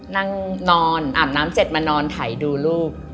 นั่งนอนอาบน้ำเสร็จมานอนถ่ายดูลูก